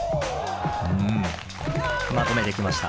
うんまとめてきました。